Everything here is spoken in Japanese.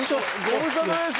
ご無沙汰です